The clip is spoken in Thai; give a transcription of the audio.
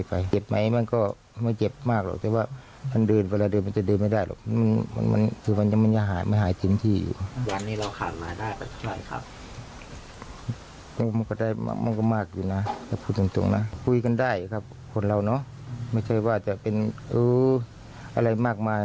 คุยกันได้ครับคนเราเนอะไม่ใช่ว่าจะเป็นอะไรมากมาย